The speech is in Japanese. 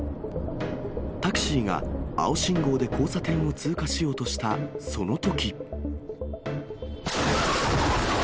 タクシーが青信号で交差点を通過しようとしたそのとき。